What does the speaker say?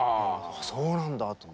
そうなんだって。